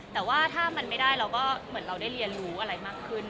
แต่ว่าถ้ามันไม่ได้เราก็เหมือนเราได้เรียนรู้อะไรมากขึ้น